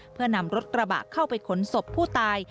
เพื่อนำรถกระบะเข้าไปขนศพผู้ตาย